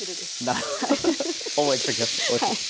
なるほど覚えておきます！